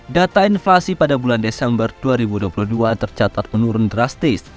data inflasi pada bulan desember dua ribu dua puluh dua tercatat menurun drastis